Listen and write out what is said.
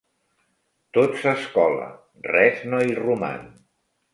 Tot s'escola, res no hi roman.